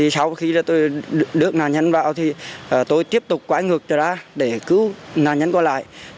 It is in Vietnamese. sau khi tôi đưa nạn nhân vào thì tôi tiếp tục quay ngược ra để cứu nạn nhân qua lại